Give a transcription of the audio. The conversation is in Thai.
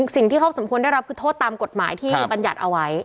สิ่งที่เขาสมควรได้รับคือโทษตามกฎหมายที่บรรยัติเอาไว้